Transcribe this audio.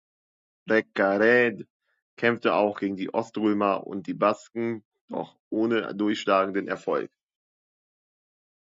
Rekkared kämpfte auch gegen die Oströmer und die Basken, doch ohne durchschlagenden Erfolg.